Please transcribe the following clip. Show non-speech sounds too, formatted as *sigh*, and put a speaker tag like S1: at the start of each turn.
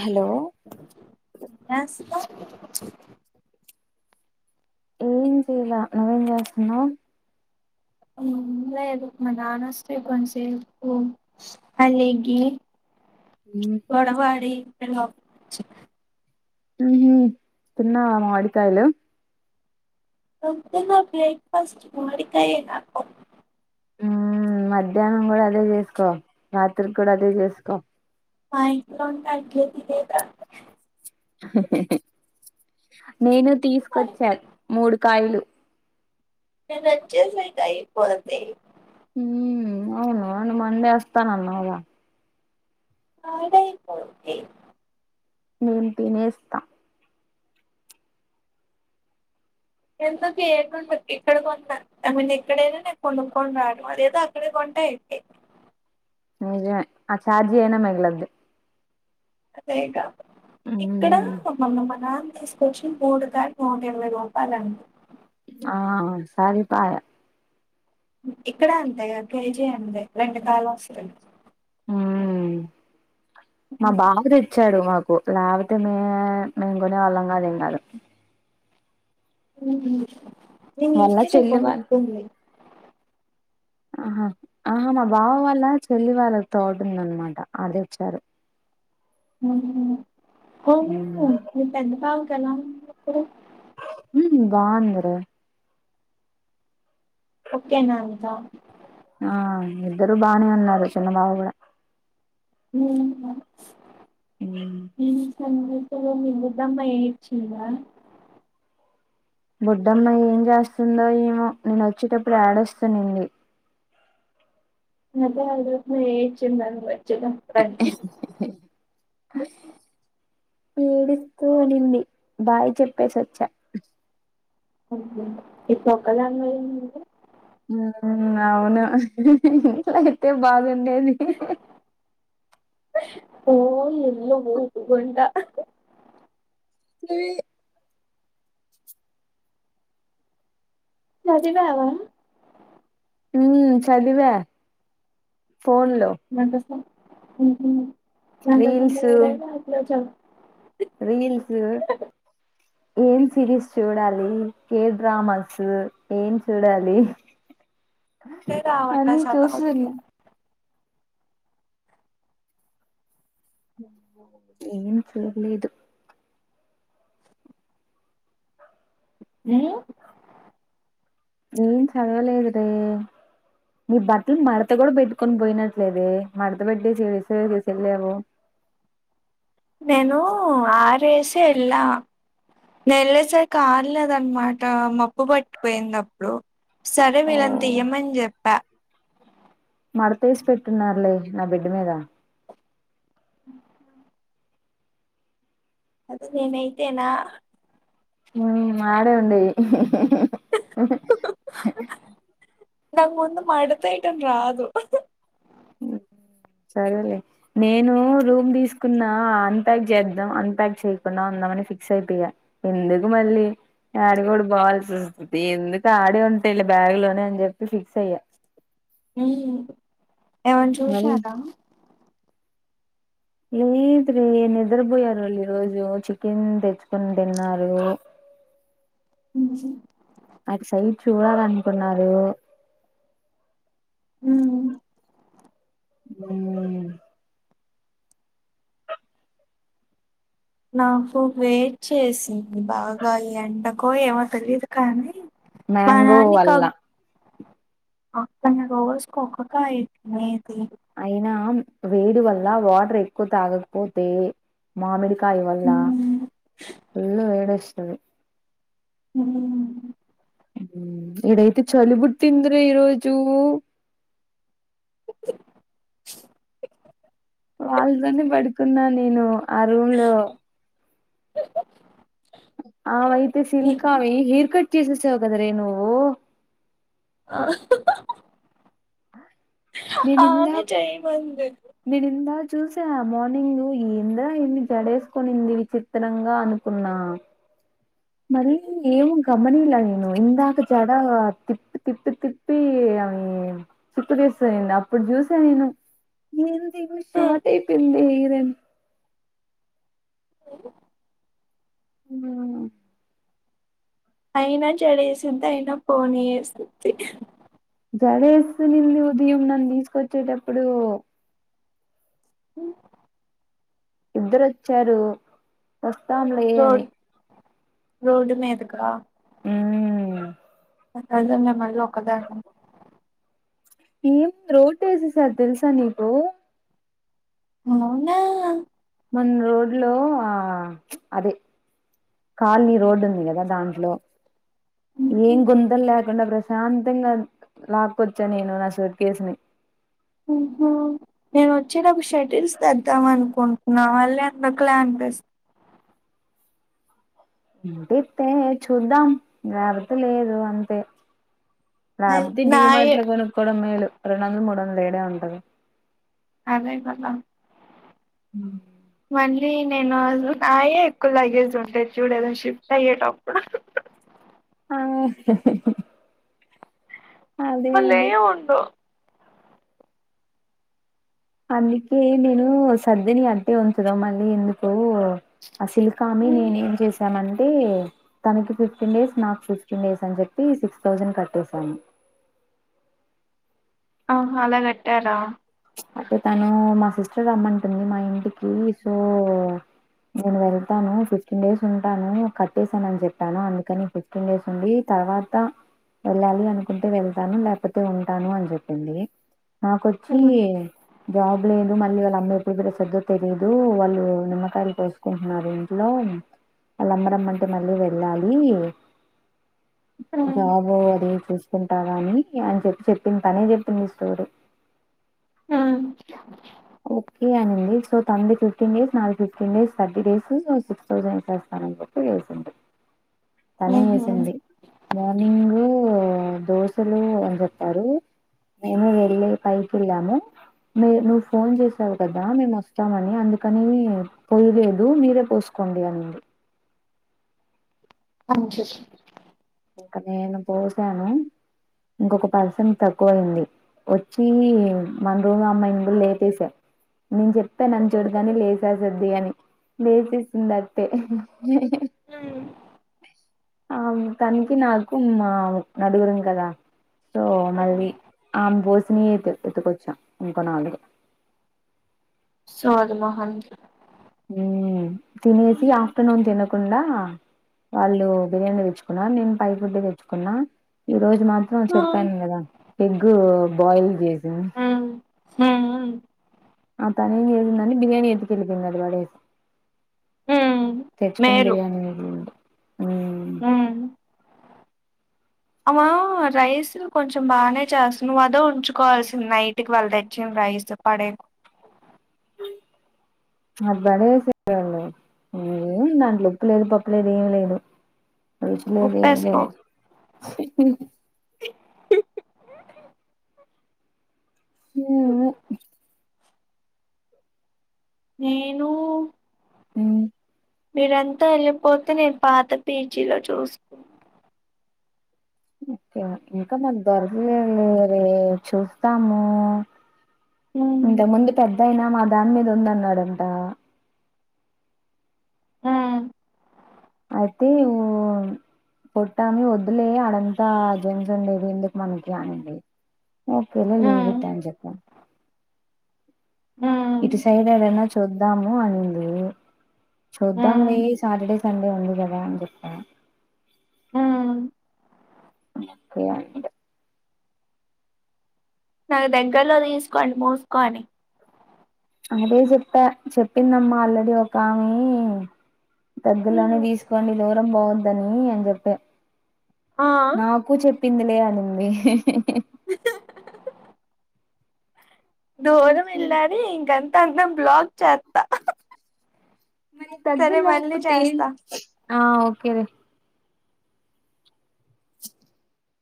S1: Hello
S2: యాస్దా
S1: ఏం చేయల నువేం జేస్తున్నావ్
S2: ఉమ్ లేదు మా నాన్నోస్తె కొంసేపు అలిగి
S1: ఉమ్
S2: గొడవాడి టెనోక్
S1: ఊ తిన్నవా మాడి కాయలు
S2: ప్రొద్దున్నే బ్రేక్ఫాస్ట్ మాడికాయనే పప్
S1: ఊ మధ్యాహ్నం కూడా అదే చేసుకో నాత్రికి కూడా అదే చేసుకో
S2: మా ఇంట్లో ఉంటే అట్లేతితే తంతా
S1: నేను
S2: మరి
S1: తీసుకొచ్చాను మూడు కాయిలు
S2: నేనొచ్చేసరికి ఐపోద్ది
S1: ఊ అవున నువ్ మందేస్తానన్నావ్ గా
S2: హార్డయిపోద్ది
S1: మేం తినేస్త
S2: ఎందుకు ఏటుంటది ఇక్కడ కొన్న ఐ మిన్ ఎక్కడైనా నేను కొనుక్కని రాడం అదేదో అక్కడ కొన్ టే ఐపోద్ది
S1: నిజమే ఆ చార్జీఐన మిగులుద్ది
S2: అదేగా ఇక్కడ
S1: మ్మ్
S2: మొన్న మాన తీసుకొచ్చి మూడు బ్యాగులు నూటిరవై రూపాయలండ్రి
S1: ఆ సరిపాయ
S2: ఇక్కడ అంతేగా ట్రై చేయండి రెండుతాలు వస్తాయ్
S1: ఉమ్ మా బాబు తెచ్చాడు మా కు లేకపోతే మే మేము కొనేవాళ్ళం కాదు ఏంకాదు
S2: ఉహూమ్మ్
S1: వాళ్ళ
S2: నేనిస్తేగా
S1: చెల్లి వాళ్ళ
S2: కొనుక్కుంది
S1: ఆహా ఆహా మాబావ వాళ్ళ చెల్లి వాళ్ళ తోటుందనమాట అడ తేచ్చారు *inaudible*
S2: ఉహూమ్మ్ అవును
S1: హ్మ్
S2: మీ పెద్ద బావకి ఎలా ఉంది ఇప్పుడు
S1: బాగుందిరా
S2: ఓకేనా అంతా
S1: ఆ ఇద్దరు బానే ఉన్నారు చిన్న బావ కూడా
S2: *unintelligible*
S1: ఉమ్మ్
S2: త ముసలోల బుడ్డమ్మ ఏడ్చిందా
S1: బొడ్డమ్మ ఏం చేస్తుందో ఏమో నేనోచ్చేటప్పుడు ఏడుస్తునింది
S2: *unintelligible* ఏడ్చింది అన్లేదు చేద్దాం రండి
S1: ఏడిస్తూ ఉనింది బాయ్ చెప్పేసి వచ్చా
S2: ఓకే ఈ తొక్క లాంగ్వేజ్ ఏముంది
S1: ఉమ్మ్ అవును అయితే బావేం డేది
S2: ఓ ఎల్లో పోదు గుంట
S1: నువి
S2: చదివావా
S1: ఉహ్మ్ చదివ
S2: నాకసల్ ఉహూమ్మ్ నాకసల్ మూడే రావట్లేదు చ
S1: రిల్సు ఏం సిరీస్ చూడాలి కే డ్రామాస్ ఏం చూడాలి
S2: రావట్లే
S1: అని
S2: చదవకి
S1: చూస్తున ఏం చూడ్లేదు
S2: ఉమ్మ్
S1: ఏం చదవలేదురా నీ బట్టలు మడత కూడా పెట్టుకొని పోయినట్లేదే మడత పెట్టేసి తీసే తీసెళ్ళేవో
S2: నేను ఆరేసి ఎళ్లా నెళ్ళేసరికి అరలేదనమాట మప్పు పట్టిపోయింది అప్పుడు సరే
S1: ఓ
S2: వీళ్ళని తియ్యమని చెప్పా
S1: మడతేసి పెట్టున్నారులే నా బెడ్ మీద
S2: అ అదే నేనైతేనా
S1: ఉమ్మ్ అడే ఉండేది
S2: నాకు ముందు మడతేయటం రాదు
S1: ఉ సరేలే నేనూ రూమ్ తీసుకున్నా అన్పాక్ చేద్దాం అన్పాక్ చెయ్యకుండా ఉన్ ఉందామని ఫిక్స్ అయిపోయా ఎందుకు మళ్ళీ డాడి గూడ బాల్స్ *unintelligible* ఎందుకు ఆడే ఉండ్ టే ఈళ్ళ బ్యాగ్ లోనే అని చెప్పి ఫిక్స్ అయ్యా.
S2: ఊహు ఏమన్న్
S1: మరి
S2: చూశారా
S1: లేదు వే నిద్రపోయారు వాళ్ళు ఈ రోజూ చికెన్ తెచ్చుకొని తిన్నారు.
S2: ఉ
S1: అటు సైడ్ చూడాలనుకున్నారూ.
S2: *unintelligible*
S1: ఊ
S2: నాకు వేడి చేసింది బాగా ఈ ఎండకో ఏమో తెలీదు కానీ.
S1: మ్యాంగో వల్లా
S2: అక్క నేన్ రోజ్ ఒకకాయే తినేది.
S1: అయినా వేడి వల్లా వాటర్ ఎక్కువ తాగకపోతే మామిడి. కాయ వల్లా
S2: ఉమ్,
S1: ఫుల్లు వేడి వస్తది.
S2: ఊ
S1: ఈడైతే చలి పుట్టిందిరా ఈరోజూ. వాళ్ళతోనే పడుకున్నా నేనూ ఆ రూమ్ లో.
S2: *inaudible*
S1: ఆమైయితే సిల్కా
S2: ని-
S1: అవీ హెయిర్ కట్ చేసేసావు కదరే నువ్వూ.
S2: ఆ
S1: నేనిందాక్
S2: చేయమంది
S1: నేనిందాక్ చూస్త్ స్తె మార్నింగూ ఏందిరా ఈమె జడేసుకొనింది విచిత్రంగా అనుకున్నా. మళ్ళీ ఏమో గమనీయలే నేను ఇందాక జడా తిప్పి తిప్పి తిప్పీ అవీ చుట్టుతీస్కపోయింది అప్పుడు చూసా నేను ఏంది ఈమె
S2: ఉమ్.
S1: షాకైయిపోయిందీ. పోయింది
S2: ఓ
S1: ఊ
S2: అయినా జెడ ఏసిద్ది అయినా పోనీఏసిద్ది.
S1: జెడేస్తు నిన్న ఉదయం నన్ను తీసుకొచ్చేటప్పుడూ
S2: హ
S1: ఇద్దరూ వచ్చారూ వస్తాంలే అని.
S2: రోడ్ మీదకురా
S1: మ్మ్
S2: *unintelligible* మళ్ళ ఒక్కదాన్ని
S1: ఇంగేముంది రోడ్ ఏసేశారు తెల్సా నీకూ.
S2: అవునా
S1: మొన్న రోడ్లో ఆ ప్చ్ అదీ ఖాళీ రోడ్డు ఉంది గదా దాంట్లో. ఏం గుంతల్ లేకుండా ప్రశాంతంగా లాక్కొచ్చా నేను నా సూట్ కేస్ ని. *inaudible*
S2: ఊహ నేను వచ్చేటపుడు షటిల్స్ తెద్దాం అనుకుంటున్నా మళ్ళి ఎందుకులే అం డేస్
S1: ఉంటే తే చూద్దాం లేకపోతే లేదు అంతే.
S2: అది
S1: లేకపోతే డీ
S2: నాయే
S1: మాట్లో కొనుక్కోడం మేలు రెండు వందలు మూడందలు ఇడే ఉంటది
S2: అదే కథ
S1: అ
S2: మళ్ళీ నేను ఆ అయే ఎక్కువ లగేజ్స్ ఉంటే చూడు ఏదైనా షిఫ్ట్ అయ్యేటప్పుడు
S1: ఆ అదే అదే
S2: లేయము ఉండో
S1: అందుకే నేను సదిని అంటే ఉంచుదామని ఎందుకో అ సిల్కామి నేనే ఏం చేసాను అంటే తనకి ఫిఫ్టీన్ డేస్ నాకు ఫిఫ్టీన్ డేస్ అని చెప్పి సిక్స్ థౌజండ్ కట్టేసాను *inaudible*
S2: ఆహా అలా కట్టారా
S1: అంటే తను మా సిస్టర్ రమ్మంటుంది మా ఇంటికి సో నేను వెళ్తాను ఫిఫ్టీన్ డేస్ ఉంటాను కట్టేసాను అని చెప్పాను అందుకని ఫిఫ్టీన్ డేస్ ఉండి తర్వాత వెళ్ళాలి అనుకుంటే వెళ్తాను లేకపోతే ఉంటాను అని చెప్పింది ఆ
S2: మ్మ్.
S1: తీయి జాబ్ లేదు మళ్ళీ వాళ్ళ అమ్మయి ఎప్పుడు పెరుస్తుద్దో తెలియదు వాళ్ళు నిమ్మకాయలు కోసుకుంటున్నారు ఇంట్లో ఆళ్ల అమ్మ రమ్మంటే మళ్ళీ వెళ్ళాలి
S2: మ్మ్.
S1: జబో అది చూసుకో టానాని అని చెప్పి చెప్పింది తనే చెప్పింది ఈ స్టోరీ
S2: హ్మ్
S1: ఓకే అనండి సో తనది ఫిఫ్టీన్ డేస్ నాది fifteen days thirty days so six thousand వేస్తా అందుకే వేసింది తనే
S2: మ్మ్.
S1: వేసింది మార్నింగ్ దోశలు అని చెప్పారు నేను వెళ్లి పైకిలాము ను ను ఫోన్ చేసావు కదా మేము వస్తామని అందుకని పోయలేదు మీరే పోసుకోండి అన్నారు
S2: అంచి
S1: ఇంక నేను పోసాను ఇంకొక పర్సన్ కి తక్కువై ఉంది వచ్చి మన రూము అమ్మాయిని కూడా లేపేసా నేను చెప్పాను అని చూడగానే లేచేస్తుద్ది అని లేచేసింది అట్టే *inaudible*
S2: మ్మ్.
S1: ఆ తనకి నాకు మా నలుగురం కదా సో
S2: మ్మ్.
S1: మళ్ళీ ఆ బోసిని ఎత్ ఎత్తుకొచ్చాం ఇంకోనాలుగు
S2: సోది మొహం
S1: హ్మ్ తినేసి ఆఫ్టర్నూన్ తినకుండా వాళ్ళు బిర్యానీ తెచ్చుకున్నా నేను పై ఫుడ్ తెచ్చుకున్నా ఈ రోజు మాత్రం
S2: మ్మ్
S1: చెప్పాను కదా ఎగ్ బాయిల్ చేసింది
S2: హ్మ్ హ్మ్
S1: ఆ తనే ఏం చేసిందని బిర్యానీ ఎత్తుకెళ్ళిపోయింది అది పడేసి
S2: మ్మ్
S1: తెచ్చుకున్న
S2: మేలు
S1: బిరియానినీ హ్మ్ అ
S2: అమ్మ రైస్ కొంచెం బానే చేస్తు నువ్వు అదో ఉంచుకోవాల్సింది నైట్కి వెళ్ళ తెచ్చిరా రైస్ తో పడే
S1: ఆ పడేసిమని ఏమి దాంట్లో ఉప్పు లేదు పప్పు లేదు ఏమి లేదు రచంట
S2: ఉప్పేసుకో
S1: *unintelligible* ఆ *unintelligible*
S2: నేను
S1: మ్
S2: మీరంతా వెళ్ళిపోతే నేను పాత పిజీలో చూసుకుంట
S1: ఓకే ఇంకా మాకు దొరకలేరే చూస్తాము ఇంత ముందు పెద్ద అయినా మా దాని మీద ఉంద అన్నాడంట
S2: ఆ
S1: అయితే పొట్టామి వద్దులే అడంతా జన్సండేది ఎందుకు మనకి అనండి నఓక ను కట్టాం అని చెప్ప ఇటు సైడ్ ఎదన్నా చూద్దాము అనింది చూద్దాం లే సాటర్డే సండే ఉంది చె
S2: మ్
S1: కే అద *unintelligible*
S2: నాకు దగ్గరలో తీసుకోండి మూసుకొని
S1: అదే చెప్పా చెప్పిందమ్మా ఆల్రెడీ ఒకామే దగ్గలోనే తీసుకోండి దూరం పోవద్దని అని చెప్పే
S2: ఆ
S1: నాకు చెప్ప పిందలే అనింది
S2: దూరం ఇల్లారీ ఇంగంత అంత బ్లాగ్ చేత్త
S1: మరి తగ్గ లేకపోతే
S2: చేస్తా
S1: ఆ ఓకే రే